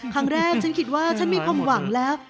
ครั้งแรกฉันคิดว่าฉันมีความหวังแล้ว